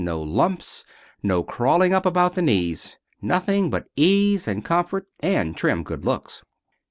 No lumps. No crawling up about the knees. Nothing but ease, and comfort, and trim good looks."